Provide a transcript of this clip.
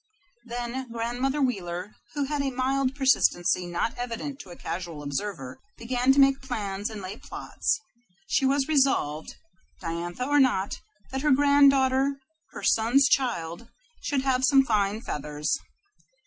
Then Grandmother Wheeler, who had a mild persistency not evident to a casual observer, began to make plans and lay plots. She was resolved, Diantha or not, that her granddaughter, her son's child, should have some fine feathers.